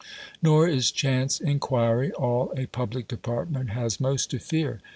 Nor is chance inquiry all a public department has most to fear.